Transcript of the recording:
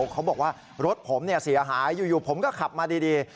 เขาบอกว่ารถผมเสียหายอยู่ผมก็ขับมาดี